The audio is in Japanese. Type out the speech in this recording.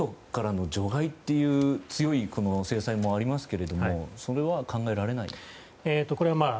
ＳＷＩＦＴからの除外という強い制裁もありますけどそれは考えられないと？